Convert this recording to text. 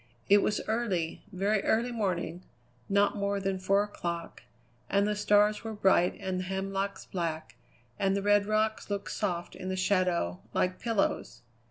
It was early, very early morning, not more than four o'clock, and the stars were bright and the hemlocks black, and the red rocks looked soft in the shadows, like pillows.